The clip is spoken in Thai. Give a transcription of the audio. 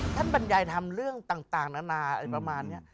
บรรยายทำเรื่องต่างนานาอะไรประมาณนี้